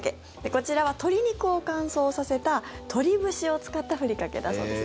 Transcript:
こちらは鶏肉を乾燥させた鶏節を使ったふりかけだそうです。